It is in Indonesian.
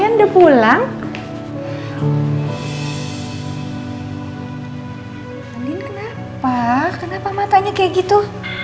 andin kenapa kenapa matanya kayak gitu